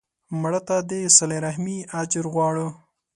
مړه ته د صله رحمي اجر غواړو